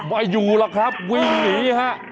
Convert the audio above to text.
ไม่อยู่หรอกครับวิ่งหนีฮะ